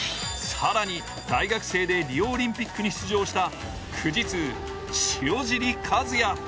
更に大学生でリオオリンピックに出場した富士通・塩尻和也。